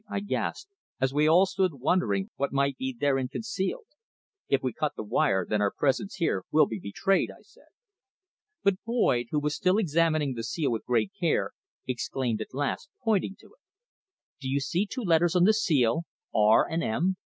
I gasped, as we all stood wondering what might be therein concealed. "If we cut the wire then our presence here will be betrayed," I said. But Boyd, who was still examining the seal with great care, exclaimed at last, pointing to it "Do you see two letters on the seal, `R.' and `M.'?"